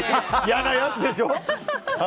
嫌なやつでしょ。